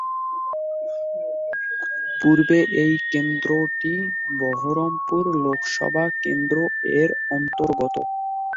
পূর্বে এই কেন্দ্রটি বহরমপুর লোকসভা কেন্দ্র এর অন্তর্গত।